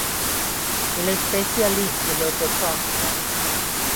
Il est spécialiste de l'autoportrait.